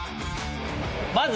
まず。